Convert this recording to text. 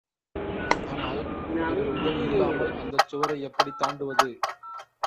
ஆனால் பிறர் உதவியில்லாமல் அந்தச் சுவரை எப்படித் தாண்டுவது?